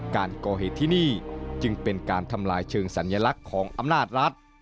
การก่อเหตุที่นี่จึงเป็นการทำลายเชิงสัญลักษณ์ของอำนาจรัฐ